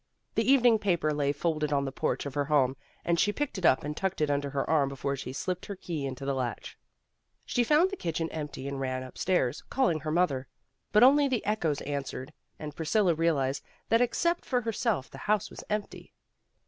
The evening paper lay folded on the porch of her home and she picked it up and tucked it under her arm before she slipped her key into the latch. She found the kitchen empty and ran upstairs, calling her mother. But only the echoes answered, and Priscilla realized that except for herself the house was empty.